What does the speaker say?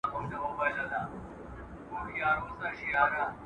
چي اغږلی یې په خټه کي عادت دی !.